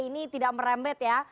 ini tidak merembet ya